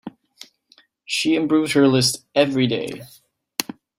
She improved her list every day.